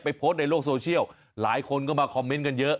โพสต์ในโลกโซเชียลหลายคนก็มาคอมเมนต์กันเยอะ